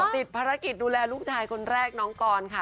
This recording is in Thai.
ติดภารกิจดูแลลูกชายคนแรกน้องกรค่ะ